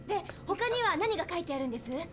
ほかには何が書いてあるんです？